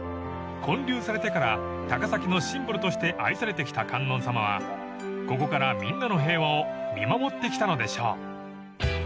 ［建立されてから高崎のシンボルとして愛されてきた観音様はここからみんなの平和を見守ってきたのでしょう］